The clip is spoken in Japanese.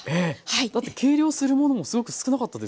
だって計量するものもすごく少なかったですよね。